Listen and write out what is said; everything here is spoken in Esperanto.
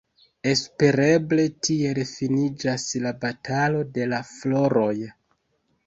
Espereble tiel finiĝas la batalo de la floroj.